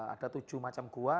ada tujuh macam gua